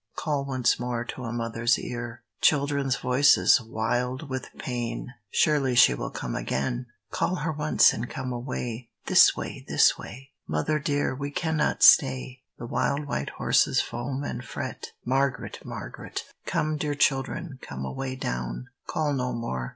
(Call once more) to a mother's ear; Children's voices, wild with pain, Surely she will come again ! Call her once and come away; This way, this way! "Mother dear, we cannot stay! The wild white horses foam and fret." Margaret! Margaret! Come, dear children, come away down; Call no more!